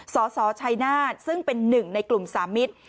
สสชัยนาธิ์ซึ่งเป็นหนึ่งในกลุ่มสามมิตร